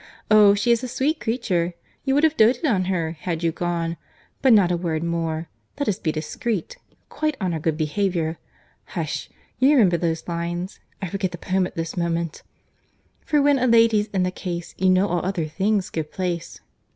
Oh! she is a sweet creature! You would have doated on her, had you gone.—But not a word more. Let us be discreet—quite on our good behaviour.—Hush!—You remember those lines—I forget the poem at this moment: "For when a lady's in the case, "You know all other things give place."